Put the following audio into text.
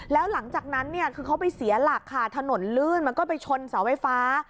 แล้วหลังจากนั้นเนี่ยคือเขาไปเสียหลักค่ะถนนลื่นมันก็ไปชนเสาไฟฟ้า